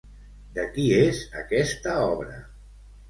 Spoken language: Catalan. De qui és aquesta obra?